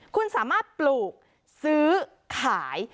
คุณสามารถปลูกซื้อขาย